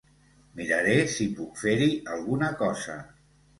Miraré si puc fer-hi alguna cosa.